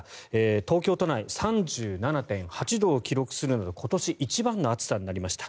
東京都内３７．８度を記録するなど今年一番の暑さになりました。